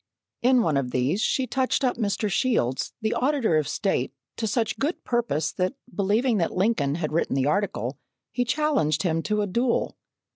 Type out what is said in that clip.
In one of these she touched up Mr. Shields, the Auditor of State, to such good purpose that believing that Lincoln had written the article, he challenged him to a duel.